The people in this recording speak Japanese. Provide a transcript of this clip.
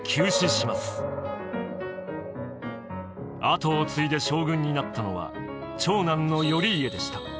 跡を継いで将軍になったのは長男の頼家でした。